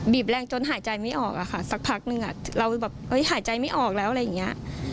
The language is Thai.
แรงจนหายใจไม่ออกอะค่ะสักพักนึงเราแบบหายใจไม่ออกแล้วอะไรอย่างนี้